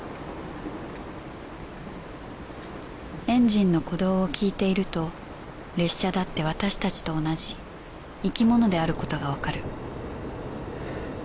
エンジンの鼓動を聞いていると列車だって私たちと同じ生き物であることがわかる